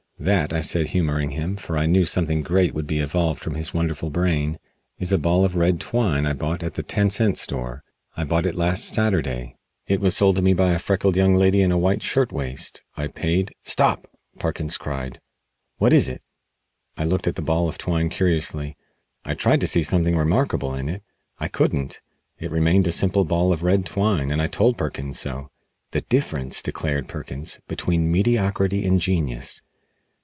"That," I said humoring him, for I knew something great would be evolved from his wonderful brain, "is a ball of red twine I bought at the ten cent store. I bought it last Saturday. It was sold to me by a freckled young lady in a white shirtwaist. I paid " "Stop!" Perkins cried, "what is it?" I looked at the ball of twine curiously. I tried to see something remarkable in it. I couldn't. It remained a simple ball of red twine and I told Perkins so. "The difference," declared Perkins, "between mediocrity and genius!